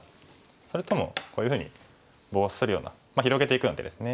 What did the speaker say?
それともこういうふうにボウシするような広げていくような手ですね。